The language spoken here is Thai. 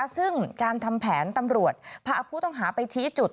ซึ่งการทำแผนตำรวจพาผู้ต้องหาไปชี้จุด